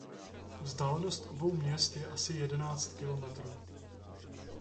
Vzdálenost obou měst je asi jedenáct kilometrů.